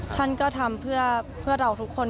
ท่านก็ทำเพื่อเราทุกคน